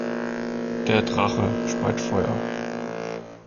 Der Drache speit Feuer.